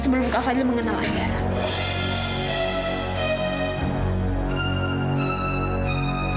sebelum kak fadil mengenal anggaran